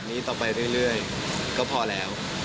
ไม่เนอะ